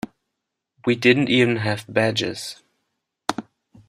We didn't even have badges.